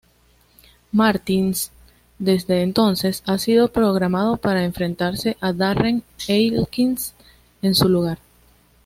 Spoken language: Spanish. Martins desde entonces ha sido programado para enfrentarse a Darren Elkins en su lugar.